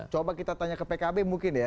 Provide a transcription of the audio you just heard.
coba kita tanya ke pkb mungkin ya